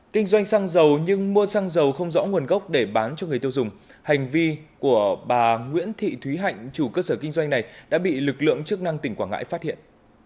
kinh doanh xăng dầu nhưng mua xăng dầu không rõ nguồn gốc để bán cho người tiêu dùng hành vi của bà nguyễn thị thúy hạnh chủ cơ sở kinh doanh này đã bị lực lượng chức năng tỉnh quảng ngãi phát hiện